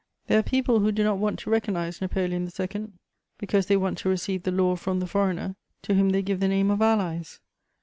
There are people who do not want to recognise Napoleon II., because they want to receive the law from the foreigner, to whom they give the name of Allies....